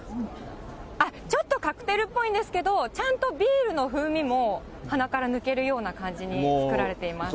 ちょっとカクテルっぽいんですけど、ちゃんとビールの風味も鼻から抜けるような感じに造られています。